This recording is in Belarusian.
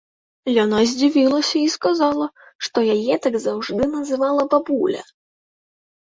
Яна здзівілася і сказала, што яе так заўжды называла бабуля.